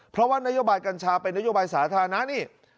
เพราะว่านโยบายกัญชาเป็นนโยบายสาธารณะนี่